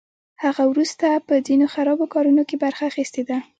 هغه وروسته په ځینو خرابو کارونو کې برخه اخیستې ده